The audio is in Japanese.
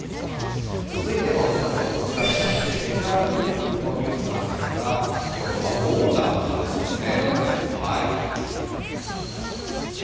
続いてはこちら、メジャーリーグのニュースなんですがこれはオーナーの話ですね。